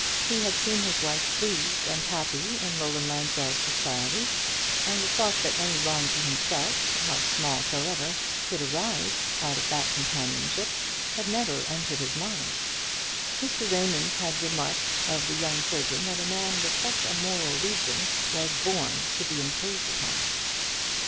He had seen his wife pleased and happy in Roland Lansdell's society; and the thought that any wrong to himself, how small soever, could arise out of that companionship, had never entered his mind. Mr. Raymond had remarked of the young surgeon that a man with such a moral region was born to be imposed upon.